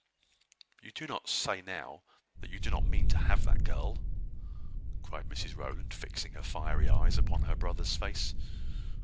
"You do not say now that you do not mean to have that girl?" cried Mrs Rowland, fixing her fiery eyes upon her brother's face.